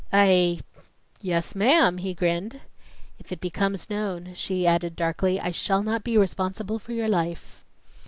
"I yes, ma'am," he grinned. "If it becomes known," she added darkly, "I shall not be responsible for your life."